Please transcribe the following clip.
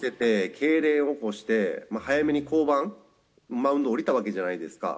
投手をしてて、けいれんを起こして、早めに降板、マウンド降りたわけじゃないですか。